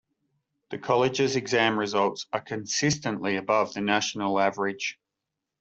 The College's exam results are consistently above the national average.